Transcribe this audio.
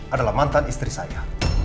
adalah mantan istri saya